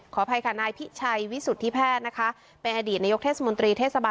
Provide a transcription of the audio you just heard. ขออภัยค่ะนายพิชัยวิสุทธิแพทย์นะคะ